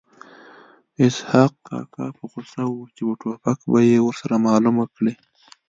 اسحق کاکا په غوسه و چې په ټوپک به یې ورسره معلومه کړي